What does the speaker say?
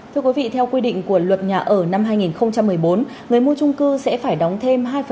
thưa quý vị theo quy định của luật nhà ở năm hai nghìn một mươi bốn người mua trung cư sẽ phải đóng thêm hai